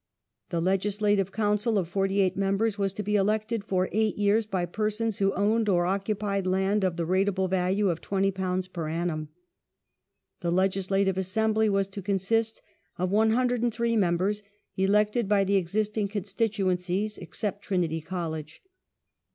The Legislative Council of forty eight members was to be elected for eight years by persons who owned or occupied land of the rateable value of £20 per annum. The Legislative Assembly was to consist of 103 membei s, elected by the existing constituencies, except Trinity College.